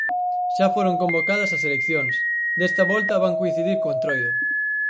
Xa foron convocadas as elecciòns, desta volta van coincidir co Entroido